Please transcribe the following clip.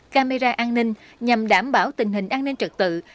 camera an ninh nhằm đảm bảo tình hình an ninh trật tự